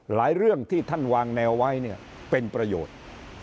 หลายเรื่องที่ท่านวางแนวไว้เป็นประโยชน์